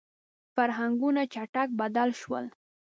• فرهنګونه چټک بدل شول.